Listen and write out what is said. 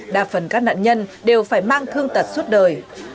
đa phần các nạn nhân đều phải mang thương tật suốt đời